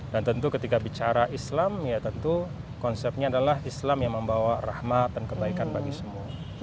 dan tentu ketika bicara islam ya tentu konsepnya adalah islam yang membawa rahmat dan kebaikan bagi semua